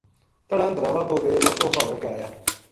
تنہاں دراوا پو بے مُچ اوکھا ہو کے آیا